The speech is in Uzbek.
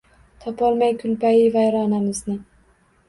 Topolmay kulbayi vayronamizni